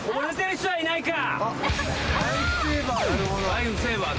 ライフセーバー。